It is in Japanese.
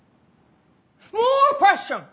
モアパッション！